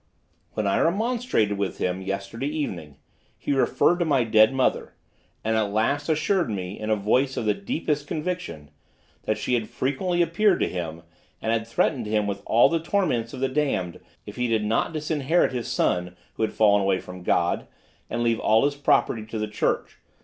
"When I remonstrated with him, yesterday evening, he referred to my dead mother, and at last assured me, in a voice of the deepest conviction, that she had frequently appeared to him, and had threatened him with all the torments of the damned if he did not disinherit his son, who had fallen away from God, and leave all his property to the Church.